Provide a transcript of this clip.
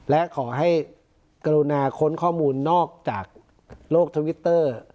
และขอให้กรุณาค้นข้อมูลนอกจากโลกทวิตเตอร์